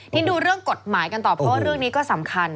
มีเรื่องกฎหมายกันต่อเพราะเรื่องนี้ก็สำคัญ